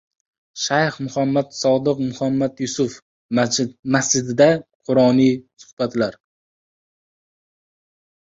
"Shayx Muhammad Sodiq Muhammad Yusuf" masjidida qur’oniy suhbatlar